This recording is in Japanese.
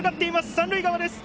三塁側です。